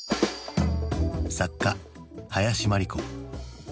作家林真理子。